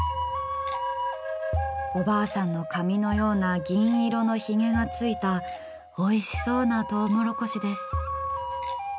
おばあさんの髪のような銀色のひげがついたおいしそうなとうもろこしです。